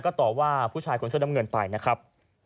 ก็ต่อว่าผู้ชายคนเสื้อน้ำเงินไปนะครับ